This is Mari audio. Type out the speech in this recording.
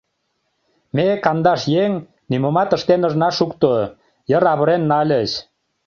Ме, кандаш еҥ, нимомат ыштен ышна шукто, йыр авырен нальыч.